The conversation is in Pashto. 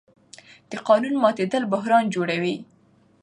د قانون ماتېدل بحران جوړوي